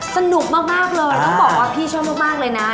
สนุกมากเลยต้องบอกว่าพี่ชอบมากเลยนะ